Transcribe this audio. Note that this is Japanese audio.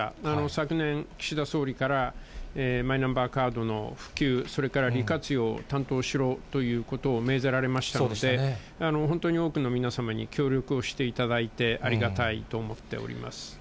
昨年、岸田総理からマイナンバーカードの普及、それから利活用を担当しろということを命ぜられましたので、本当に多くの皆様に協力をしていただいて、ありがたいと思っております。